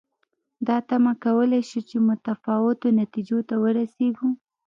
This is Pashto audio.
دا تمه کولای شو چې متفاوتو نتیجو ته ورسېږو.